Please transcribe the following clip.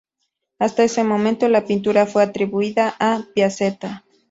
Hasta ese momento, la pintura fue atribuida a Piazzetta.